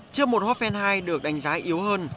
trước một ho phenhai được đánh giá yếu hơn